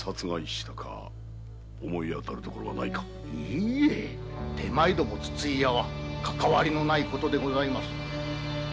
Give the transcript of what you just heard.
いいえ手前ども筒井屋は関係のない事でございます。